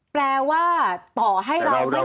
แปลว่าต่อให้เราไม่